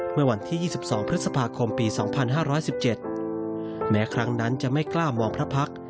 เมื่อวันที่ยี่สิบสองพฤษภาคมปีสองพันห้าร้อยสิบเจ็ดแม้ครั้งนั้นจะไม่กล้ามองพระพักษมณ์